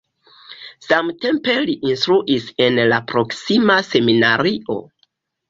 Samtempe li instruis en la proksima seminario.